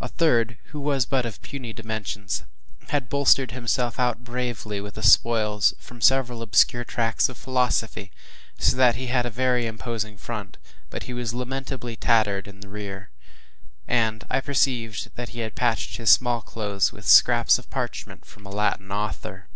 A third, who was but of puny dimensions, had bolstered himself out bravely with the spoils from several obscure tracts of philosophy, so that he had a very imposing front, but he was lamentably tattered in rear, and I perceived that he had patched his small clothes with scraps of parchment from a Latin author.